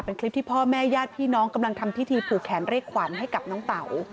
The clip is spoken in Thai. เป็นคลิปที่พ่อแม่ญาติพี่น้องกำลังทำพิธีผูกแขนเรียกขวัญให้กับน้องเต๋า